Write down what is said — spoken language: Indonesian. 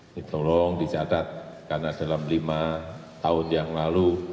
ini tolong dicatat karena dalam lima tahun yang lalu